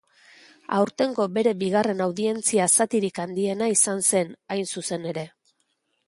Aurtengo bere bigarren audientzia zatirik handiena izan zen, hain zuzen ere.